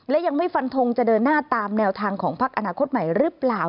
และยังไม่ฟันทงจะเดินหน้าตามแนวทางของพักอนาคตใหม่หรือเปล่า